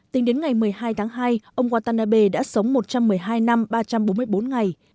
tính đến ngày một mươi hai tháng hai ông watanabe đã sống một trăm một mươi hai năm ba trăm bốn mươi bốn ngày